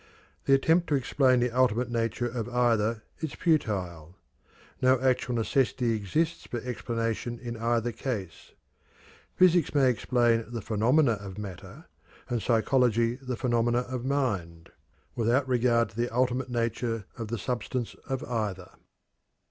The attempt to explain the ultimate nature of either is futile no actual necessity exists for explanation in either case. Physics may explain the phenomena of matter, and psychology the phenomena of mind, without regard to the ultimate nature of the substance of either.